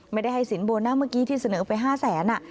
ไม่ได้ให้สินโบนัสเมื่อกี้ที่เสนอไป๕แสน